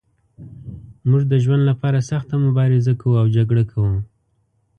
موږ د ژوند لپاره سخته مبارزه کوو او جګړه کوو.